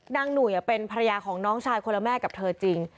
หนุ่ยเป็นภรรยาของน้องชายคนละแม่กับเธอจริง